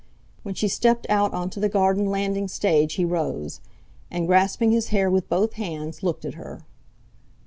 When she stepped out on to the garden landing stage he rose, and grasping his hair with both hands, looked at her.